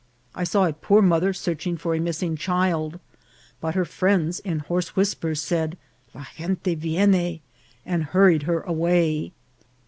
I saw a poor mother searching for a missing child ; but her friends, in hoarse whispers, said, " La gente vienne !" and hurried her away.